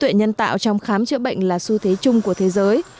trí tuệ nhân tạo trong khám chữa bệnh là xu thế chung của thế giới